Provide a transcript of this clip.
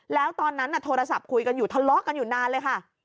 แล้วตอนนั้นโทรศัพท์คุยกันอยู่ทะเลาะกันอยู่นานเลยค่ะ